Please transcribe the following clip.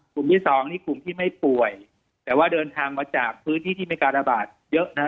ที่สองนี่กลุ่มที่ไม่ป่วยแต่ว่าเดินทางมาจากพื้นที่ที่มีการระบาดเยอะนะฮะ